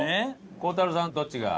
孝太郎さんどっちが？